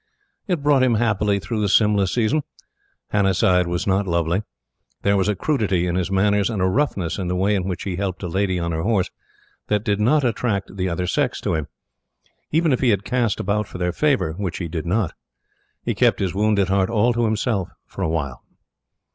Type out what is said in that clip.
It brought him happily through the Simla season. Hannasyde was not lovely. There was a crudity in his manners, and a roughness in the way in which he helped a lady on to her horse, that did not attract the other sex to him. Even if he had cast about for their favor, which he did not. He kept his wounded heart all to himself for a while.